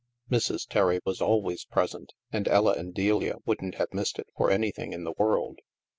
Mrs. Terry was always present, and Ella and Delia wouldn't have missed it for anything in the world.